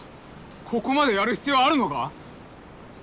ここまでやる必要あるのか？